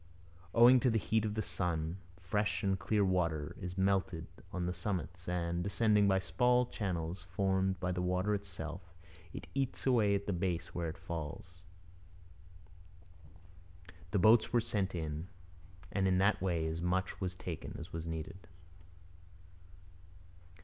'Owing to the heat of the sun, fresh and clear water is melted on the summits, and, descending by small channels formed by the water itself, it eats away the base where it falls. The boats were sent in, and in that way as much was taken as was needed.'